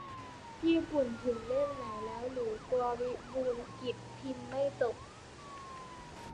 ญี่ปุ่นถึงเล่มไหนแล้วหรือ กลัววิบูลย์กิจพิมพ์ไม่จบ